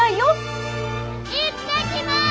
行ってきます！